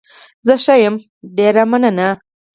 زه ښه يم، ډېره مننه.